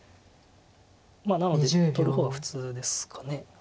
なので取る方が普通ですか。